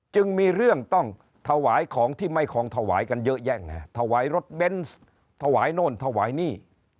จึงมีเรื่องต้องถวายของที่ไม่คงถวายกันเยอะแยะไงถวายรถเบนส์ถวายโน่นถวายนี่